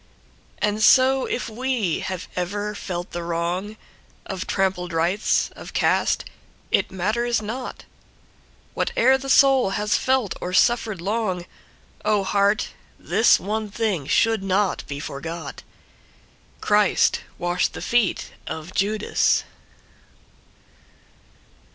And so if we have ever felt the wrongOf Trampled rights, of caste, it matters not, What e'er the soul has felt or suffered long, Oh, heart! this one thing should not be forgot:Christ washed the feet of Judas.